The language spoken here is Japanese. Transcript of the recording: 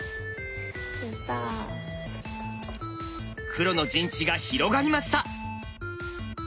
黒の陣地が広がりました。